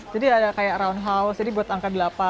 jadi ada kayak roundhouse jadi buat angka delapan